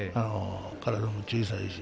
体も小さいし。